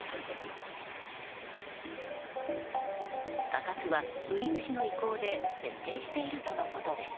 価格は売主の意向で設定しているとのことです。